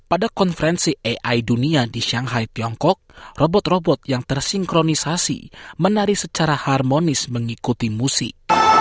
pada konferensi ai dunia di shanghai tiongkok robot robot yang tersinkronisasi menari secara harmonis mengikuti musik